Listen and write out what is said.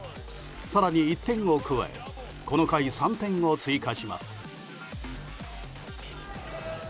更に１点を加えこの回３点を追加します。